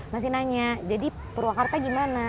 masih nanya jadi purwakarta gimana